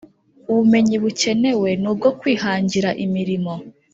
ubumenyi bukenewe nubwo kwihangira imirimo